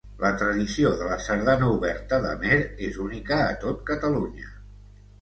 La tradició de la sardana oberta d'Amer és única a tot Catalunya.